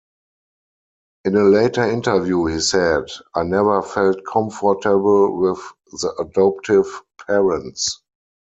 In a later interview, he said: I never felt comfortable with the adoptive parents.